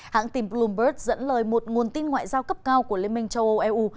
hãng tìm bloomberg dẫn lời một nguồn tin ngoại giao cấp cao của liên minh châu âu eu